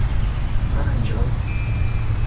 manĝos